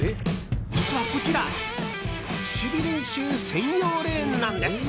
実はこちら守備練習専用レーンなんです。